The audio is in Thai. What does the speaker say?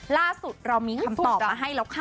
ล่าสุดเรามีคำตอบมาให้แล้วค่ะ